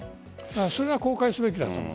それは公開すべきだと思う。